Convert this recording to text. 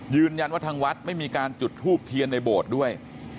ยืนยันว่าทางวัดไม่มีการจุดทูบเทียนในโบสถ์ด้วย